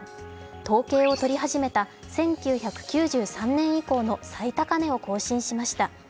統計をとりはじめた１９９３年以降の最高値を更新しました。